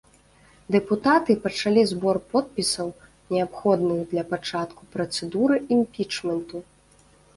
Дэпутаты пачалі збор подпісаў, неабходных для пачатку працэдуры імпічменту.